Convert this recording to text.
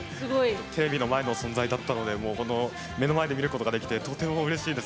テレビの前の存在だったので目の前で見ることができてとてもうれしいです。